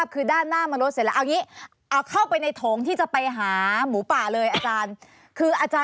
ก็ลดลงเยอะแล้วถูกไหมคะ